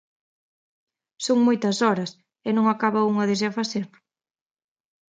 Son moitas horas e non acaba unha de se afacer.